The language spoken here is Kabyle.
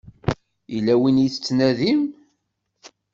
Yella win i tettnadim?